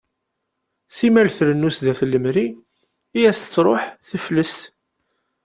Simmal trennu sdat n lemri i as-tettruḥ teflest.